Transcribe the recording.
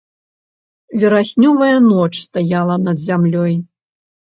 Вераснёвая ноч стаяла над зямлёй.